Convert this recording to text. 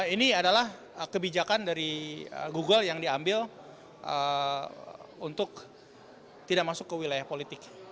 ini adalah kebijakan dari google yang diambil untuk tidak masuk ke wilayah politik